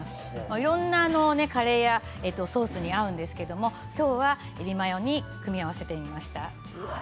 いろんなカレーやソースに合うんですけれども、きょうはえびマヨに組み合わせてみました。